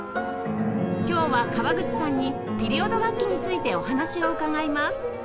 今日は川口さんにピリオド楽器についてお話を伺います